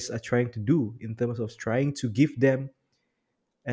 dalam mencoba untuk memberi mereka